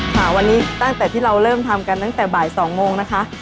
ค่ะวันนี้ตั้งแต่ที่เราเริ่มทำกันตั้งแต่บ่าย๒โมงนะคะ